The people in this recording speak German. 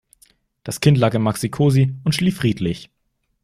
Das Kind lag im Maxicosi und schlief friedlich.